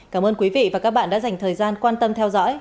cảm ơn quý vị và các bạn đã dành thời gian quan tâm theo dõi